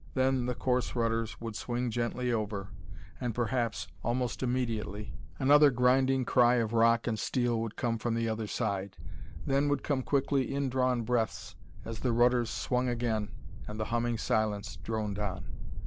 Then the course rudders would swing gently over; and perhaps, almost immediately, another grinding cry of rock and steel would come from the other side. Then would come quickly indrawn breaths as the rudders swung again and the humming silence droned on.